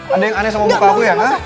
ada yang aneh sama bukaku ya